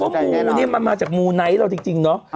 คำว่าหมูมันมาจากหมูไนท์เราจริงเนอะ